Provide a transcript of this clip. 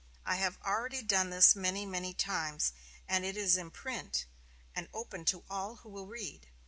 I have already done this many, many times; and it is in print, and open to all who will read.